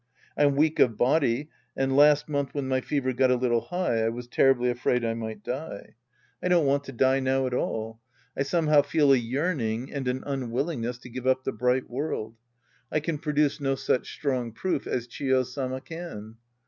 I'm weak of body, and last month when my fever got a, little high, I w^s terribly afrsiid I might die. I 80 The Priest and His Disciples Act II don't want to die now at all. I somehow feel a yearning and an unwillingness to give up the bright world. I can produce no such strong proof as Chio Sama can.